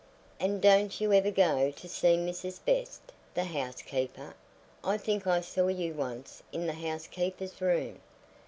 "And don't you ever go to see Mrs. Best, the housekeeper? I think I saw you once in the housekeeper's room."